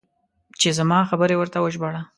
چې زما خبرې ورته وژباړه.